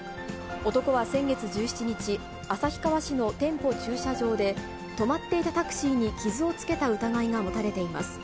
男は先月１７日、旭川市の店舗駐車場で、止まっていたタクシーに傷をつけた疑いが持たれています。